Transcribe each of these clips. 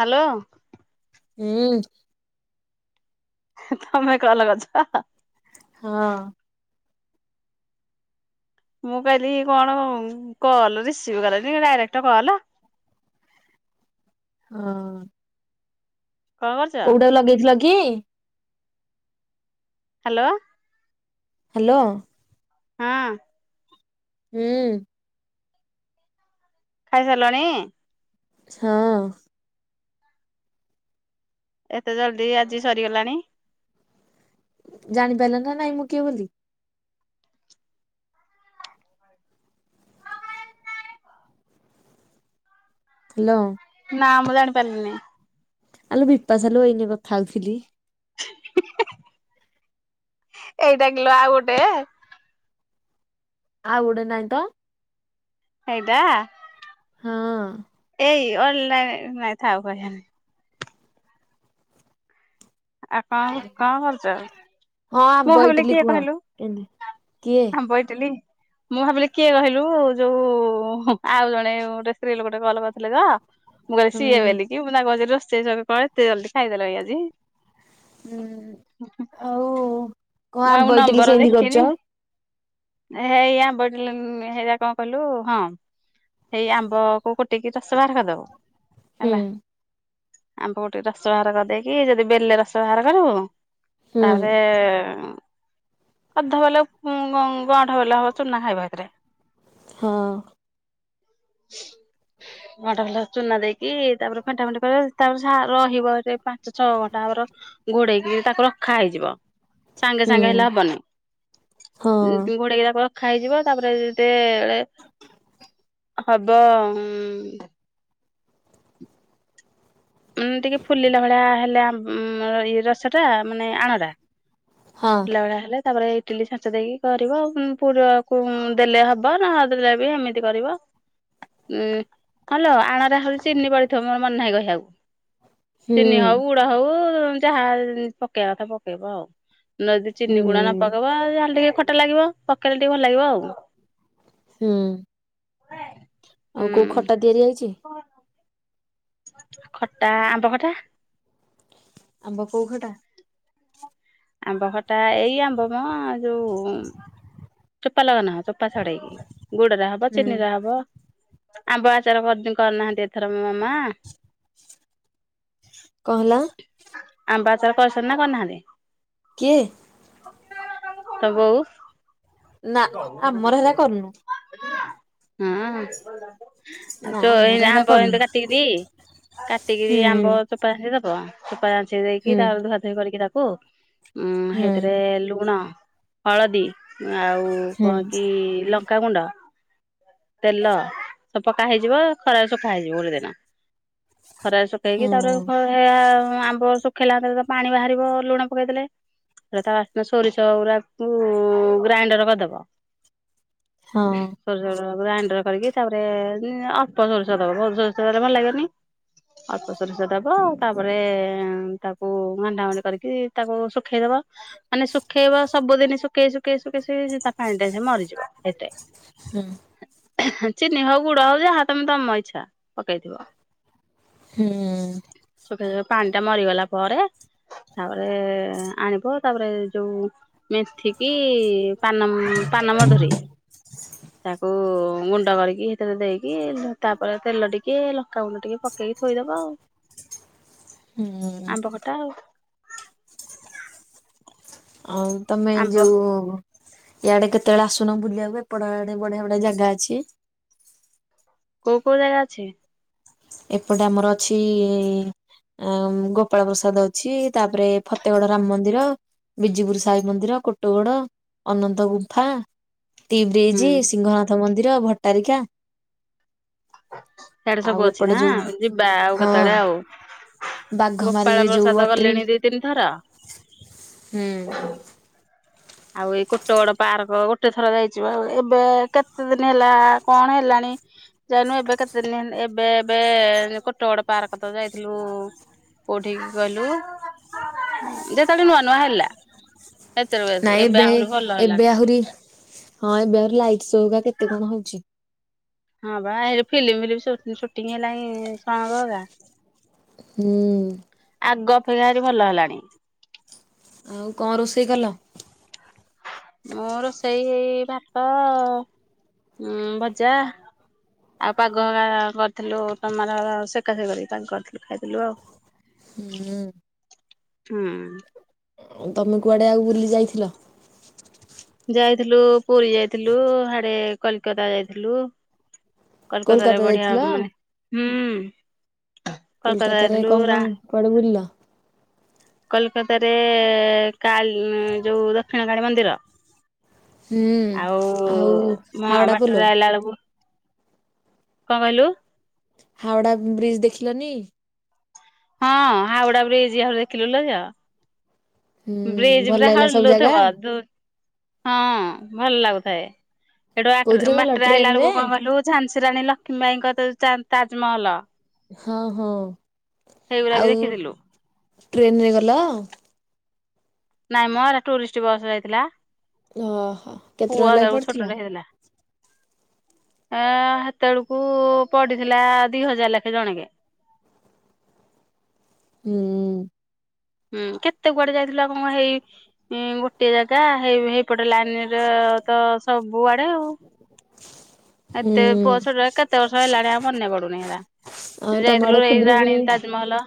Hello. ହୁଁ। ତମେ call କରିଛ ପା ହଁ। ମୁଁ କହିଲି କଣ କଲ ରିସିଭ କରିନି ଡାଇରେକ୍ଟ କଲ ହଁ। କଣ କରୁଛ କୋଉଟା ଲଗେଇଥିଲ କି? ହ୍ୟାଲୋ। ହ୍ୟାଲୋ। ହଁ। ହୁଁ। ଖାଇସାରିଲାଣି? ହୁଁ। ଏତେ ଜଲ୍ଦି ଆଜି ସରିଗଲାଣି? ଜାଣିପାରିଲା ନା ନାଇଁ ମୁଁ କିଏ ବୋଲି? ହ୍ୟାଲୋ। ନା ମୁଁ ଜାଣିପାରିଲିନି ଆଲୋ ବିପାସା ଲୋ ଏଇନେ କଥା ହୋଉଥୁଲି। ଏଇଟା କିଲୋ ଆଉ ଗୋଟେ? ଆଉ ଗୋଟେ ନାଇଁ ତ। ହେଇଟା ହଁ। ଏଇ ଅନଲାଇନେ ନାଇଁ ଥାଉ କହିବାନି। ହଁ ଏ କଣ କରୁଚ ହଁ ମୁଁ ଆମ୍ବ ଭାବିଲି ଇଟିଲି କିଏ କୁହ କହିଲୁ? କେମତି କିଏ ହଁ ବୋଇଥିଲି। ମୁଁ ଭାବିଲି କିଏ କହିଲୁ ଯୋଉ ହୁ ଆଉ ଜଣେ ଗୋଟେ ସ୍ତ୍ରୀ ଲୋକଟେ କଲ କରିଥିଲେ ଯା ମୁଁ କହିଲି ସିଏ ହୁଁ ବେଲିକି ମୁଁ ତାଙ୍କୁ ପଚାରୁ ରୋଷେଇ ଯକ କଣ ଏତେ ଜଲଦି ଖାଇଦେଲଣି ଆଜି। ହୁଁ। ଆଉ କଣ ମୁଁ ଆଉ ବଇଟକଲି ନମ୍ବର କେମତି ଦେଖିନି କରୁଚ? ହେଇ ଆମ ବଇଟକଲି ହେରା କଣ କହିଲୁ ହଁ। ସେଇ ଆମ୍ବକୁ ଗୋଟେଇକିି ରସ ବାହାର କରିଦୋବୁ। ହୁଁ ହେଲା ଆମ୍ବକୁ ଟିକେ ରସ ବାହାର କରିଦେଇକି ଯଦି ବେଲେ ରସ ବାହାର କରିବୁ ହୁଁ ତାପରେ ଅଧ ବେଲେ ଉଁ-ଗଁ-ଗଣ୍ଠ ବେଲେ ହବ ଚୁନା ଖାଇବ ହେଥିରେ। ହଁ। ଗଅଣ୍ଠ ଖଣ୍ଡେ ଚୁନା ଦେଇକି ତାପରେ ଫେଣ୍ଟା ଫେଣ୍ଟି କରିବ ତାପରେ ସେ ଆ ରହିବ ସେ ପାଞ୍ଚଛଅ ଘଣ୍ଟା ହବ ର ଘୋଡେଇକି ତାକୁ ରଖା ହେଇଯିବ। ସାଙ୍ଗେ ହୁଁ ସାଙ୍ଗେ ହେଲେ ହବନି ହଁ ଉଁ ଉଁ ଘୋଡେଇକି ତାକୁ ର ଖା ହେଇଯିବ ତାପରେ ଯେତେଏଳେ ହବ ଉଁ ମାନେ ଟିକେ ଫୁଲିଲା ଭଳିଆ ହେଲେ ଆମ୍ ଉମ୍ ଇଏ ରସଟା ମାନେ ଆଣଟା ହଁ। ଫୁଲିଲା ଭଳିଆ ହେଲେ ତାପରେ ଇଟିଲି ଛାଞ୍ଚ ଦେଇକି କରିବ ଆଉ ଉଁ ପୁରକୁ ଉମ୍ ଦେଲେ ହବ ନ ଦେଲେ ବି ଏମି ତି କରିବ। ଉଁ ହଁଲୋ ଆଣରେ ଆହୁରି ଚିନି ପଡିଥିବ ମୋର ମନେ ନାହିଁ କହିବାକୁ। ହୁଁ ଚିନି ହୋଉ ଗୁଡ ହୋଉ ଯାହା ଏନ୍ ପକେଇବା କଥା ପକେଇବ ଆଉ। ନା ଯଦି ହୁଁ ଚିନି ଗୁଡ ନପକେଇବ ଯାହେଲେ ଟିକେ ଖଟା ଲାଗିବ ପକେଇଦେଲେ ଟିକେ ଭଲ ଲାଗିବ ଆଉ। ହୁଁ ଆଉ ହୁଁ କୋଉ ଖଟା ତିଆରି ଆଇଚି? ଖଟା ଆମ୍ବଖଟା। ଆମ୍ବ କୋଉ ଖଟା? ଆମ୍ବଖଟା ଏଇ ଆମ୍ବ ମ ଯୋଉ ଉମ୍ ଚୋପା ଲଗା ନୁହଁ ଚୋପା ଛଡେଇକି ଗୁଡରେ ହବ, ହୁଁ ଚିନିରେ ହବ। ଆମ୍ବ ଆଚାର କରି ଦିଅଁ କରିନାହାନ୍ତି ଏଥର ମୋ ମାମା? କଣ ହେଲା? ଆମ୍ବ ଆଚାର କରିଛନ୍ତି ନା କରିନାହାନ୍ତି? କିଏ? ତୋ ବୋଉ? ନା ଆମର ହେରା କରନୁ। ହଁଅ। ଆଉ ନା ଚୋ ଏଇ ଆମର ହେରା ଆମ୍ବ କରୁନୁ ଏମତି କାଟିକିରି କାଟିକିରି ହୁଁ ଆମ୍ବ ଚୋ ପା ହେରାକ ଚୋପା ହୁଁ ଚାଞ୍ଛିଦେଇକି ତା ଧୁଆଧୋଇ କରିକି ତାକୁ ଉଁ ହୁଁ ହେଇଥିରେ ଲୁଣ, ହଳଦୀ ଆଉ ହୁଁ କଣ କି ଲଙ୍କ୍ ଙ୍କା ଗୁଣ୍ଡ ତେଲ ସବୁ ପକାହେଇଯିବ ଖରାରେ ଶୁଖା ହେଇଯିବ ଗୋଟେ ଦିନ। ଖରାରେ ହୁଁ ଶୁକେଇକି ତାପରେ ଘ ସେ ଆମ୍ବ ଶୁଖେଇଲାରେ ତ ପାଣି ବାହାରିବ ଲୁଣ ପକେଇଦେଲେ। [unintelligible] ସୋରିଷ ଗୁଡା଼କୁ ଗ୍ରାଇଣ୍ଡର କରିଦବ। ହଁ ସୋରିଷ ଗ୍ରାଇଣ୍ଡର କରିକି ତାପରେ ଅଲ୍ପ ସୋରିଷ ଦବ ବହୁତ୍ ସୋରିଷ ଦେଲେ ଭଲ ଲାଗିବନି। ଅଳ୍ପ ସୋରିଷ ଦବ ତାପରେ ତାକୁ ଘାଣ୍ଟା ଘାଣ୍ଟି କରିକି ତାକୁ ଶୁଖେଇଦବ ମାନେ ଶୁଖେଇବ ସବୁଦିନ ଶୁଖେଇ ଶୁଖେଇ ଶୁଖେଇ ତା ପାଣି ଟା ମରିଯିବ ହୁଁ [unintelligible] ଚିନି ହଉ ଗୁଡ଼ ହଉ ଯାହା ତମ ଇଛା ପକେଇଥିବ। ହୁଁ। ପାଣିଟା ମରିଗଲା ପରେ ତାପରେ ଆଣିବ ତାପରେ ଯୋଉ ମେଥିକି ପାନ ପାନମଧୁରୀ ତାକୁ ଗୁଣ୍ଡ କରିକି ଦେଇକି ତାପରେ ତେଲ ଟିକେ ଲଙ୍କାଗୁଣ୍ଡ ଟିକେ ପକେଇକି ଥୋଇଦବ ଆଉ। ହୁଁ। [unintelligible] ଆଉ ତମେ ଆମ୍ବ ଯୋଉ ଇଆଡ଼େ କେତେବେଳେ ଆସୁନ ବୁଲିବାକୁ ଏପଟ ଆଡ଼େ ବଢ଼ିଆ ବଢ଼ିଆ ଜାଗା ଅଛି। କୋଉ କୋଉ ଜାଗା ଅଛି? ଏପଟେ ଆମର ଅଛି ଆ ଗୋପାଳ ପ୍ରସାଦ ଅଛି ତାପରେ ଫତେଗଡ଼ ରାମ ମନ୍ଦିର। ବିଜିପୁର୍ ସାଇ ମନ୍ଦିର, କୋଟଗଡ଼, ଅନନ୍ତ ଗୁମ୍ଫା। ଟି ହୁଁ ବ୍ରିଜି ସିଂହନାଥ ମନ୍ଦିର, ଭଟ୍ଟାରିକା। ସିଆଡେ଼ ଆଉ ସବୁ ଅଛି ଏପଟେ ନା ଯୋଉ ଯିବା ଆଉ ହଁ କେତେବେଳେ ଆଉ। ଗୋପାଳ ବାଘମାରିରେ ଯୋଉ ପ୍ରସାଦ ଅଟ୍ରି ଗଲିଣି ଦି ତିନି ଥର। ହୁଁ। ଆଉ ଏଇ କୋଟଗଡ଼ ପାର୍କ ଗୋଟେ ଥର ଯାଇଛି ପା ଏବେ କେତେ ଦିନ ହେଲା କଣ ହେଲାଣି। ଯାଇନୁ ଏବେ କେତେ ଦିନ୍ ଏବେ ଏବେ କୋଟଗଡ଼ ପାର୍କ ତ ଯାଇଥିଲୁ। କୋଉଠିକି କହିଲୁ ଯେତେବେଳେ ନୂଆ ନୂଆ ହେଲା ସେତେବେଳେ। ଯାଇଥିଲୁ ନାଇଁ ଏବେ ଆହୁରି ଭଲ ହେଲାଣି ଏବେ ଆହୁରି ହଁ ଏବେ ଆହୁରି ଲାଇଟ୍ ଶୋ କେତେ କଣ ହଉଛି। ହଁ ବା ଫିଲ୍ମ [unintelligible] ସୁ ସୁଟିଂ ହେଲାଣି [unintelligible] ହୁଁ। ଆଗ ଅପେକ୍ଷା ଆହୁରି ଭଲ ହେଲାଣି। ଆଉ କଣ ରୋଷେଇ କଲ? ମୁଁ ରୋଷେଇ ଏଇ ଭାତ, ଭଜା। ଆଉ ପାଗ ହେରା କରିଥିଲୁ ଟମାର ସେକା ସେକି କରିକି ପାଗ କରିଥିଲୁ ଖାଇଥିଲୁ ଆଉ। ହୁଁ। ହୁଁ। ତମେ କୁଆଡ଼େ ଆଉ ବୁଲି ଯାଇଥିଲ? ଯାଇଥିଲୁ ପୁରୀ ଯାଇଥିଲୁ ହାଡେ଼ କଲିକତା ଯାଇଥିଲୁ। କଲିକତାରେ କୋଲକାତା ବଢ଼ିଆ ଯାଇଥିଲ ମାନେ ହୁଁ। କୋଲକାତାରେ କଣ କଣ [unintelligible] କୁଆଡେ ବୁଲିଲ? କଲିକତାରେ କାଲ୍ ଯୋଉ ଦକ୍ଷିଣକାଳୀ ମନ୍ଦିର। ହୁଁ ଆଉ ଆଉ ହଁ ହାୱଡ଼ା ପୋଲ। [unintelligible] କଣ କହିଲୁ? ହାଓଡ଼ା ବ୍ରିଜ୍ ଦେଖିଲନି? ହଁ ହାଓଡ଼ା ବ୍ରିଜ୍ ଆହୁରି ଦେଖିଲୁ ଲୋ ଝିଅ। ହୁଁ ବ୍ରିଜ୍ ଭଲ ପୁରା ଲାଗିଲା ସବୁ ଜାଗା ହଲୁଥିବ ତୁ ହଁ ଭଲ ଲାଗୁଥାଏ ଏଟୁ ଆଟରେ କୋଉଥିରେ ଗଲ ବାଟରେ ଟ୍ରେନ ଆଇଲା ବେଳକୁ ରେ? କଣ କହିଲୁ ଝାନ୍ସୀରାଣୀ ଲକ୍ଷ୍ମୀ ବାଇଙ୍କ ତ ତ ତାଜମହଲ। ହଁ ହଁ ସେଇଗୁରା ବି ଆଉ ଦେଖିଥିଲୁ ଟ୍ରେନରେ ଗଲ? ନାଇଁ ମ ଏରା ଟୁରିଷ୍ଟି ବସ ଯାଇଥିଲା। ଓହୋ କେତେ ପୁଅ ଟଙ୍କା ଲାଗି ସେତେଳୁକୁ ପଡିଥିଲା? ଛୋଟଟେ ହେଇଥିଲା। ଏଁ ସେତେବେଳକୁ ପଡିଥିଲା ଦି ହଜାର ଲେଖେ ଜଣକେ। ହୁଁ। ହୁଁ କେତେ କୁଆଡେ ଯାଇଥିଲୁ ଆଉ କଁ ହେଇ ଇଁ ଗୋଟଏ ଜାଗା ହେଇ ହେଇ ଏପଟେ ଲାଇନିର ତ ସବୁଆଡେ ଆଉ। ହୁଁ ଏତେ ପୁଅ ଛୋଟବେଳେ କେତେ ବର୍ଷ ହେଲାଣି ଆଉ ମନେ ପଡୁନି ହେରା ଆଉ ତମ ଯାଇଥିଲୁ ଆଡେ ଏଇ ରାଣୀ ଖୁଦୁରୁକୁୁଣି ତା ଜମହଲ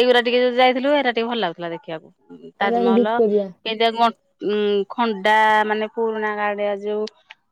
ଏଇଗୁରା ଟିକେ ଯୋଉ ଯାଇଥିଲୁ ଏରା ଟିକେ ଭଲ ଲାଗୁଥିଲା ଦେଖିଆକୁ। ଉଁ ରାଣୀ ତାଜମହଲ ଭିକ୍ଟୋରିଆ କେନ୍ତିଆ ଗଁ ଉଁ ଖଣ୍ଡା ମାନେ ପୁରୁଣା କାଡିଆ ଯୋଉ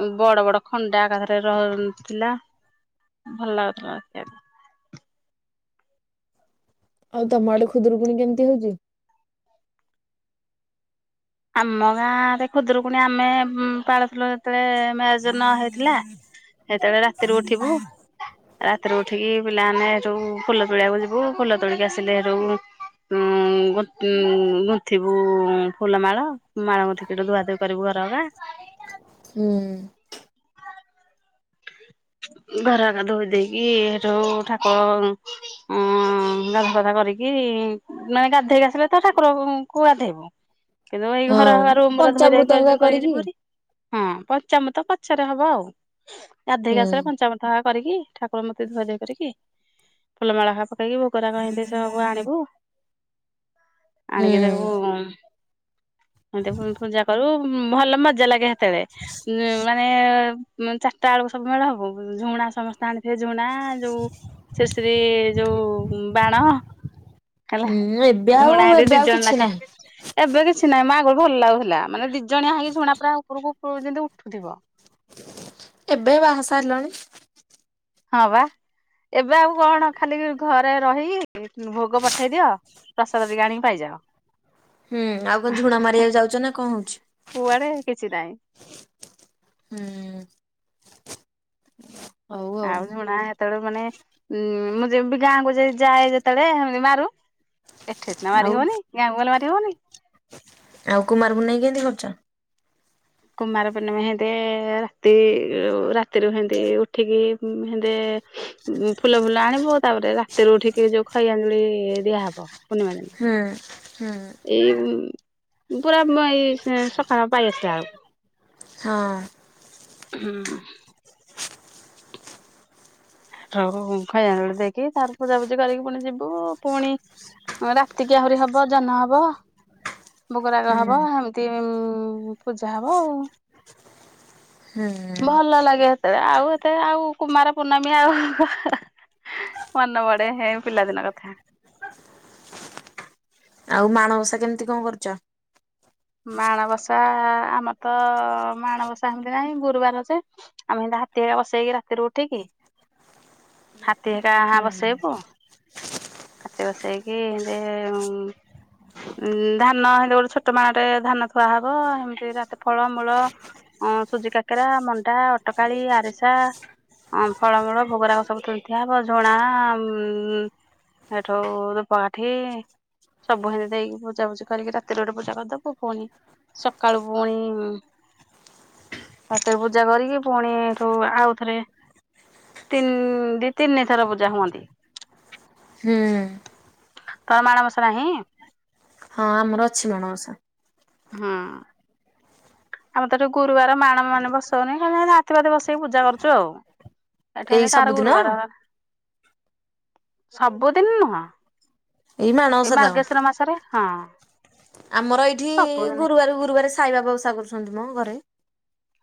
ଉଁ ବଡ ବଡ ଖଣ୍ଡା ଏକାଥରେ ର ଉଁ ଥିଲା ଭଲ ଲାଗୁଥିଲା ଦେଖିଆକୁ। ଆଉ ତମ ଆଡେ ଖୁଦୁରୁକୁୁଣି କେମତି ହଉଚି? ଆମ ଗାଁରେ ଖୁଦୁରୁକୁଣି ଆମେ ଉଁ ପାଳୁଥିଲୁ ଯେତେବେଳେ ମ୍ୟାରେଜ ନ ହେଇଥିଲା ହୁଁ ସେତେବେଳେ ରାତିରୁ ଉଠିବୁ ଆ ରାତିରୁ ଉଠିକି ପିଲାମାନେ ହେଠୁ ଫୁଲ ତୋଳିବାକୁ ଯିବୁ ଫୁଲ ତୋଳିକି ଆସିଲେ ହେଠୁ ଉଁ ଗୁଁ ଗୁନ୍ଥିବୁ ଫୁଲମାଳ। ମାଡଙ୍କୁ କଠୁ ଧୁଆଧୁହି କରିବୁ ଘର [unintelligible] ହୁଁ। ଉଁ ଘର ହେକା ଧୋଇ ଦେଇକି ସେଠୁ ଠାକୁର ଉଁ ହଁ ଗାଧାପଧା କରିକିରି ନାଇଁ ଗାଧେଇକି ଆସିଲେ ତ ଠାକୁରଙ୍କୁ ଗାଧେଇବୁ। କିନ୍ତୁ ଏଇ ଘର ହଁ [unintelligible] ରୁମରା ଧୋଇ ଧାଇ ପଞ୍ଚାମୃତ କରି ହେରିକା [unintelligible] କରିକି ଯିବୁ ହାରି ହଁ ପଞ୍ଚାମୂର୍ତ୍ତ ତ ପଛେରେ ହବ ଆଉ। ହୁଁ। ଗାଧେଇକି ଆସି ସାଇଲେ ପଞ୍ଚାମୂର୍ତ୍ତ ହେକା କରିକି ଠାକୁର ମୂର୍ତ୍ତି ଧୁଆଧୁଇ କରିକି ଫୁଲମାଳ ହେକା ପକେଇ କି ଭୋଗରାଗ ହିନ୍ତି ସବୁ ଆଣିବୁ। ହୁଁ ଆଣିକି ତାକୁ ଉଁ ଏନ୍ତି ଫୁଣି ପୂଜା କରୁ। ଉଁ ଭଲ ମଜା ଲାଗେ ସେତେବେଳେ ଉଁ ମାନେ ଉଁ ଚାରିଟାବେଳୁକୁ ସବୁ ମେଳ ହବୁ ଝୁଣା ସମସ୍ତେ ଆଣି ଥିବେ ଝୁଣା ଯୋଉ ସିର୍ ସିରି ଯୋଉ ଉଁ ବାଣ ହେଲା ହୁଁ ଏବେ ଆଉ ଝୁଣା ଦି ଏବେ ଦି ଆଉ ଜଣ କିଛି ଲାଖେ ନାହିଁ। ଏବେ କିଛି ନାହିଁ ମ ଆଗରୁ ଭଲ ଲାଗୁଥିଲା ମାନେ ଦି ଜଣିଆ ହେଇକି ଝୁଣା ପୁରା ଉପରକୁ ଉପରକୁ ଯେନ୍ତି ଉଠୁଥିବ। ଏବେ ବାହା ହେଇ ସାରିଲାଣି। ହଁ ବା ଏବେ ଆଉ କଣ ଖାଲି ଘରେ ରହିକି ଉଁ ଭୋଗ ପଠେଇ ଦିଅ ପ୍ରସାଦ ଟିକେ ଆଣିକି ପାଇଯାଅ। ହୁଁ ଆଉ କଁ ଝୁଣା ମାରିବାକୁ ଯାଉଚ ନା କଁ ହଉଛି। କୁଆଡେ କିଛି ନାଇଁ। ହୁଁ। ଆଉ ଝୁଣା ହେତେବେଳୁକୁ ମାନେ ଉଁ ମୁଁ ଯେବେ ଗାଁକୁ ଯେ ଯାଏ ଯେତେବେଳେ ହେମିତି ମାରୁ। ଏଠେ ସିନା ଆଉ ମାରିହବନି ଗାଁକୁ ଗଲେ ମାରିହବନି। ଆଉ କୁମାରପୁନେଇଁ କେନ୍ତି କରୁଚ? କୁମାର ପୂର୍ଣ୍ଣିମା ହେନ୍ତେ ରାତିରୁ ରାତିରୁ ହେନ୍ତି ଉଠିକି ଉଁ ହେନ୍ତେ ଉଁ ଫୁଲ ଫୁଲ ଆଣିବୁ ତାପରେ ରାତିରୁ ଉଠିକି ଯୋଉ ଖଇଆଞ୍ଜୁଳି ଦିଆ ହବ। ପୁର୍ଣିମା ଦିନ। ହୁଁ ହୁଁ। ଏଇ ଉଁ ଉଁ ପୁରା ମ ଏଇ ସଁ ସକାଳ ପାଇ ଆସିଲା ବେଳୁକୁ। ହଁ। ହୁଁ। ରହୁ ଖଇ ଆଞ୍ଜୁଳି ଦେଇକି ତାପରେ ପୂଜାପୂଜି କରିକି ପୁଣି ଯିବୁ ପୁଣି ଅଁ ରାତିକି ଆହୁରି ହବ ଜହ୍ନ ହବ। ଭୋଗରାଗ ହବ ହୁଁ ହେମିତି ଉଁ ପୂଜା ହବ ଆଉ। ହୁଁ। ଭଲ ଲାଗେ ହେତେବେଳେ ଆଉ ଏତେ ଆଉ କୁମାର ପୁର୍ଣ ଆଉ ମନ ବଡେ ହେ ପିଲାଦିନ କଥା। ଆଉ ମାଣବସା କେମିତି କଣ କରୁଛ? ମାଣବସା ଆମର ତ ମାଣବସା ଏମିତି ନାହିଁ ଗୁରୁବାର ଯେ ଆମେ ଏନ୍ତା ହାତୀ [unintelligible] ବସେଇକି ରାତିରୁ ଉଠିକି ହାତୀ ହେକା ବସେଇବୁ। ହାତ ବସେଇକି ସେଇନ୍ତି ହୁ ଧାନ ସେଇନ୍ତି ଗୋଟେ ଛୋଟ ମାଟେ ଧାନ ଥୁଆ ହବ ଏମିତି ରାତି ଫଳ ମୂଳ ହଁ ସୁଜି କାକେରା ମଣ୍ଡା ଅଟକାଳି ଆରିସା ହଁ ଫଳମୂଳ ଭୋଗରାଗ ସବୁ ଥୋଇଥୁଆ ହବ ଝୁଣା ଉ ଏଠୁ ଧୂପକାଠି ସବୁ ସେଇନ୍ତି ଦେଇକି ପୂଜା ପୁଜି କରିକି ରାତିରେ ଗୋଟେ ପୂଜା କରିଦବୁ। ହବନି ସକାଳୁ ପୁଣି ଠାକୁର ପୂଜା କରିକି ପୁଣି ଏଠୁ ଆଉଥରେ ତିନି ଦି ତିନି ଥର ପୂଜା ହୁଅନ୍ତି ‌। ହୁଁ। ତମର ମାଣବସା ନାହିଁ? ହଁ ଆମର ଅଛି ମାଣବସା। ହଁ। ଆମର ତ ଏଠି ଗୁରୁବାର ମାଣ ମାଣ ବସଉନି ଖାଲି ଯାହା ହାତି ଭାତି ବସେଇକି ପୂଜା କରୁଚୁ ଆଉ। ଏଠାରେ ଏଇ କାହାର ସବୁଦିନ ଗୁରୁବାର ସବୁଦିନି ନୁହଁ ଏଇ ମାଣବସା ତକ ମାର୍ଗଶିର ମାସରେ। ହଁ। ଆମର ଏଇଠି ସବୁଦିନି ଗୁରୁବାରକୁ ଗୁରୁବାର ସାଇବାବା ଓଷା କରୁଛନ୍ତି ମ ଘରେ।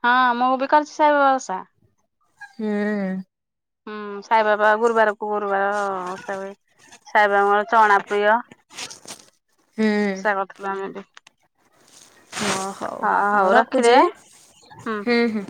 ହଁ ମୁଁ ବି କରିଛି ସାଇବାବା ଓଷା। ହୁଁ। ହୁଁ ସାଇବାବା ଗୁରୁବାରକୁ ଗୁରୁବାର ଓଷା ହୁଏ। ସାଇବାବାଙ୍କ ଚଣା ପ୍ରିୟ ହୁଁ ଓଷା କରିଥିଲୁ ଆମେ ବି ହଁ ହଉ ହଁ ଆଉ ରଖିଦେ ରଖୁଛି ହୁଁ। ହୁଁ ହୁଁ।